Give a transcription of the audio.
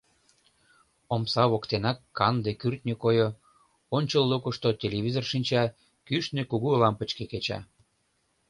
Омса воктенак канде кӱртньӧ койко, ончыл лукышто телевизор шинча, кӱшнӧ кугу лампычке кеча.